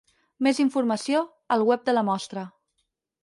Més informació, al web de la Mostra.